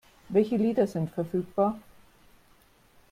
Welche Lieder sind verfügbar?